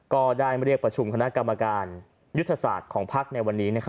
ก็ได้เรียกประชุมคณะกรรมการยุทธศาสตร์ของภักดิ์ในวันนี้